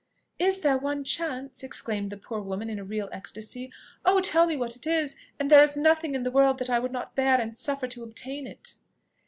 "Is there one chance?" exclaimed the poor woman in a real ecstasy. "Oh! tell me what it is, and there is nothing in the wide world that I would not bear and suffer to obtain it."